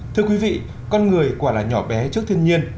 thưa quý vị con người quả là nhỏ bé trước thiên nhiên